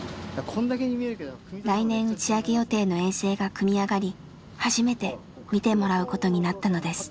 来年打ち上げ予定の衛星が組み上がり初めて見てもらうことになったのです。